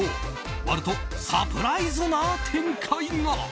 割るとサプライズな展開が！